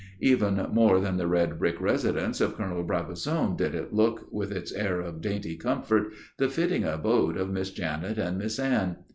Even more than the red brick residence of Colonel Brabazon did it look, with its air of dainty comfort, the fitting abode of Miss Janet and Miss Anne.